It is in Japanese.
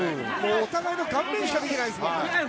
お互いの顔面しか見てないですね。